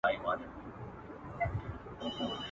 باران به اوري څوک به ځای نه درکوینه